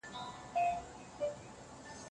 که موږ رښتیني سو، نو به بې لارۍ ته نږدې نه سو.